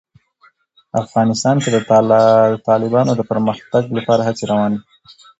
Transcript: افغانستان کې د تالابونو د پرمختګ لپاره هڅې روانې دي.